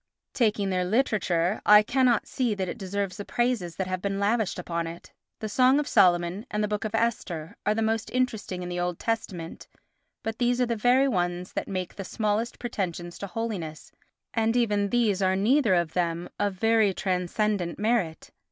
Taking their literature I cannot see that it deserves the praises that have been lavished upon it. The Song of Solomon and the book of Esther are the most interesting in the Old Testament, but these are the very ones that make the smallest pretensions to holiness, and even these are neither of them of very transcendent merit.